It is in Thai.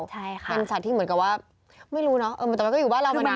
ใช่ค่ะเป็นสัตว์ที่เหมือนกับว่าไม่รู้เนอะแต่มันก็อยู่บ้านเรามานาน